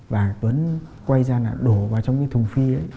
và tuấn quay ra là đổ vào trong cái thùng phi ấy